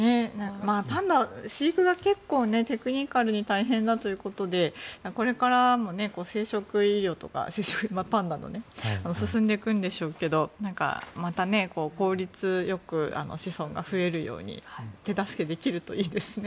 パンダは飼育が結構テクニカルに大変だということでこれからも生殖医療とかパンダのね進んでいくんでしょうけどまた効率よく子孫が増えるように手助けできるといいですね。